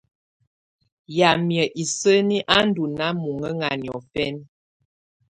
Yamɛ̀á isǝni á ndù nàà mɔŋǝŋa niɔfɛna.